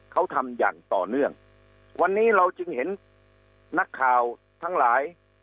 เขาทำอย่างต่อเนื่องวันนี้เราจึงเห็นนักข่าวทั้งหลาย